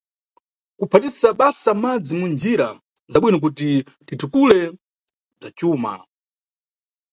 Kuphatisa basa madzi munjira za bwino kuti titukule bza cuma.